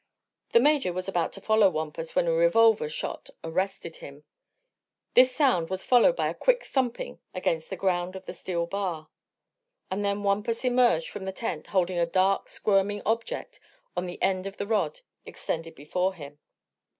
The Major was about to follow Wampus when a revolver shot arrested him. This sound was followed by a quick thumping against the ground of the steel bar, and then Wampus emerged from the tent holding a dark, squirming object on the end of the rod extended before him.